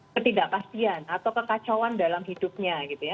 ketidakpastian atau kekacauan dalam hidupnya